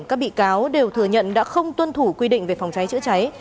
các bị cáo đều thừa nhận đã không tuân thủ quy định về phòng cháy chữa cháy